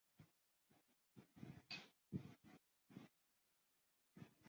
ili kuthibitisha madai hayo na kwamba ingetumia njia hiyo mara moja iwapo walikuwa na nia nzuri